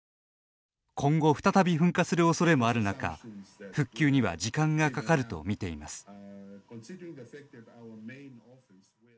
今後再び噴火するおそれもある中復旧には時間がかかると見ています。